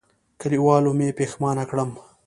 کلیوالو مې پښېمانه کړم.